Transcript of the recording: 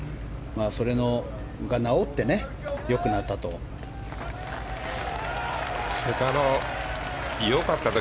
それが治って良くなったと。